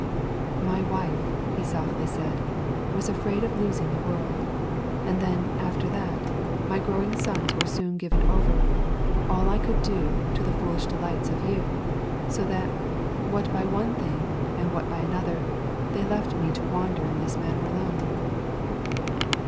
'My wife,' he softly said, 'was afraid of losing the world. And then, after that, my growing sons were soon given over, all I could do, to the foolish delights of youth, so that, what by one thing and what by another, they left me to wander in this manner alone.'